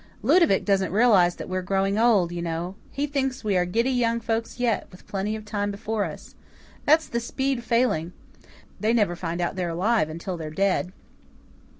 Ludovic doesn't realize that we are growing old, you know. He thinks we are giddy young folks yet, with plenty of time before us. That's the Speed failing. They never find out they're alive until they're dead."